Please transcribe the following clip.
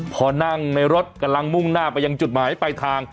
พอนั่งในรถกำลังมุ่งหน้าไปยังจุดหมายปลายทาง